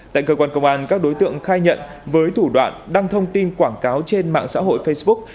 tại cơ quan công an các đối tượng khai nhận với thủ đoạn đăng thông tin quảng cáo trên mạng xã hội facebook